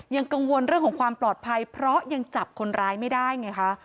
ยังกังวลเรื่องของความปลอดภัยเพราะยังจับคนร้ายไม่ได้ไงคะ